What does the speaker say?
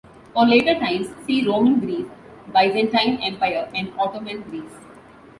For later times see Roman Greece, Byzantine Empire and Ottoman Greece.